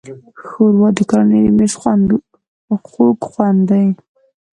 ښوروا د کورنۍ د مېز خوږ خوند دی.